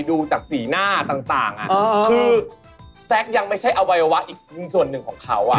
ดูจากสีหน้าต่างคือ